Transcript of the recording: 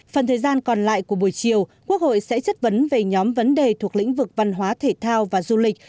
phần thời gian còn lại của buổi chiều quốc hội sẽ chất vấn về nhóm vấn đề thuộc lĩnh vực văn hóa thể thao và du lịch